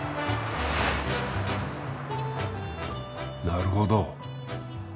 なるほど。